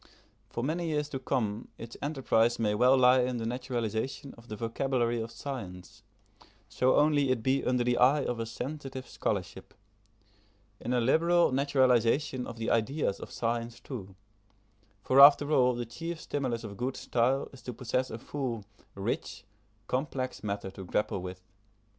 For many years to come its enterprise may well lie in the naturalisation of the vocabulary of science, so only it be under the eye of a sensitive scholarship in a liberal naturalisation of the ideas of science too, for after all the chief stimulus of good style is to possess a full, rich, complex matter to grapple with.